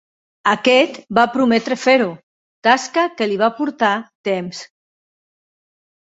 Aquest va prometre fer-ho, tasca que li va portar temps.